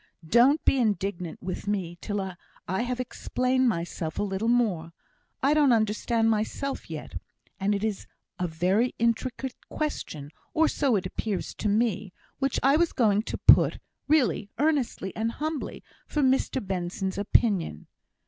"Don't be indignant with me till I have explained myself a little more. I don't understand myself yet; and it is a very intricate question, or so it appears to me, which I was going to put, really, earnestly, and humbly, for Mr Benson's opinion.